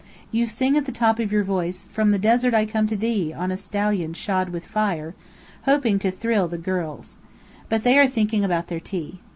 You sing at the top of your voice "From the desert I come to thee, on a stallion shod with fire!" hoping to thrill the girls. But they are thinking about their tea.